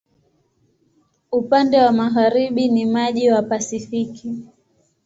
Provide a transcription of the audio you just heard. Upande wa magharibi ni maji wa Pasifiki.